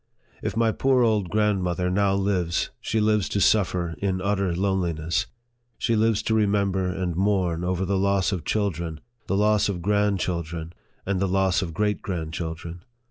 If my poor old grandmother now lives, she lives to suffer in utter loneliness ; she lives to remember and mourn over the loss of children, the loss of grandchildren, and the loss of great grandchil dren.